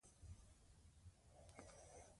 حق تل برلاسی وي.